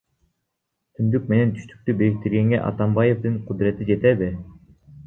Түндүк менен түштүктү бириктиргенге Атамбаевдин кудурети жетеби?